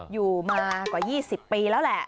อยู่มากว่า๒๐ปีแล้วแหละ